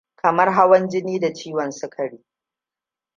kamar hawan jini da ciwon sukari